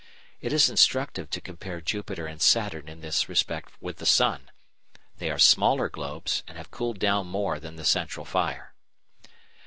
It is instructive to compare Jupiter and Saturn in this respect with the sun. They are smaller globes and have cooled down more than the central fire.